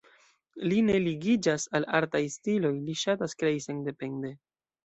Li ne ligiĝas al artaj stiloj, li ŝatas krei sendepende.